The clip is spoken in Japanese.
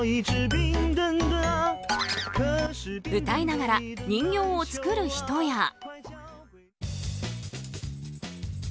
歌いながら人形を作る人や。